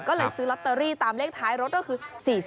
ก็เลยซื้อลอตเตอรี่ตามเลขท้ายรถก็คือ๔๔